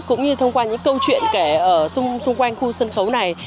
cũng như thông qua những câu chuyện kể ở xung quanh khu sân khấu này